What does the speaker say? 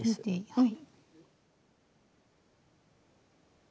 はい。